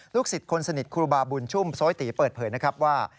ลูกศิษย์คนสนิทครูบาบุญชุมซ้อยตีเปิดเผยนะครับว่า